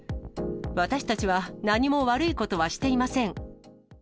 私たちは何も悪いことはしていません。